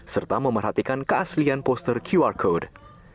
serta memerhatikan keaslian poster qr code